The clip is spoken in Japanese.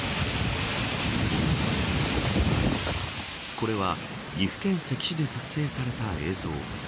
これは岐阜県関市で撮影された映像。